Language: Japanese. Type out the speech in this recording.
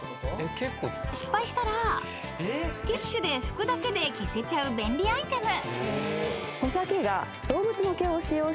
［失敗したらティッシュで拭くだけで消せちゃう便利アイテム］